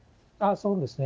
そうですね。